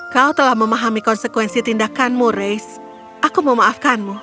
kau telah memahami konsekuensi tindakanmu reis aku memaafkanmu